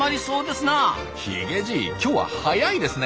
ヒゲじい今日は早いですね。